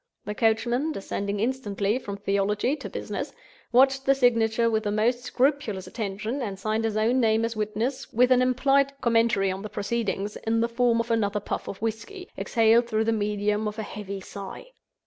The coachman (descending instantly from Theology to Business) watched the signature with the most scrupulous attention; and signed his own name as witness, with an implied commentary on the proceeding, in the form of another puff of whisky, exhaled through the medium of a heavy sigh.